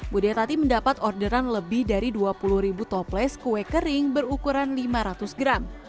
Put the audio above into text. budia tati mendapat orderan lebih dari dua puluh ribu toples kue kering berukuran lima ratus gram